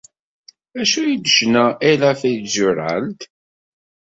D acu ay d-tecna Ella Fitzgerald?